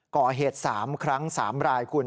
ก่อเหตุ๓ครั้ง๓รายคุณ